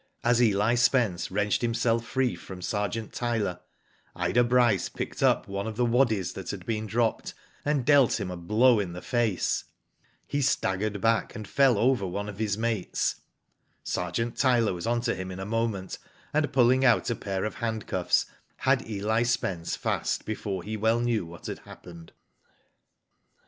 As Eli Spence wrenched himself free from Digitized byGoogk 174 ^^O DID ITf Sergeant Tyler, Ida Bryce picked up one of the waddies that had been dropped, and dealt him a blow in the face. He staggered back, and fell over one of his mates. Sergeant Tyler was on to him in a moment, and pulling out a pair of handcuffs had Eli Spence fast before he well knew what had happened.